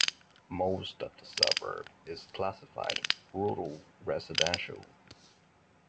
Most of the suburb is classified "Rural Residential".